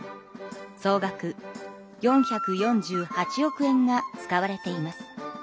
総額４４８億円が使われています。